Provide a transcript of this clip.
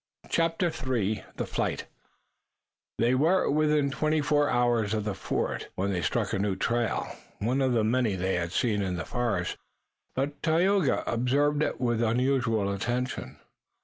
CHAPTER III THE FLIGHT They were within twenty four hours of the fort, when they struck a new trail, one of the many they had seen in the forest, but Tayoga observed it with unusual attention.